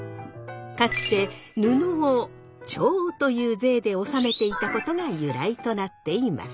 かつて布を調という税で納めていたことが由来となっています。